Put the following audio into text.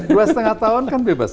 dua setengah tahun kan bebas